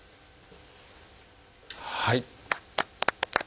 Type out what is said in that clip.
はい。